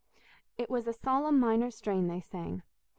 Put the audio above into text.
It was a solemn minor strain they sang.